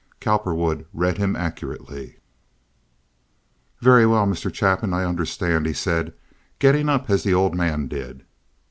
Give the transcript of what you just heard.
Cowperwood read him accurately. "Very well, Mr. Chapin; I understand," he said, getting up as the old man did.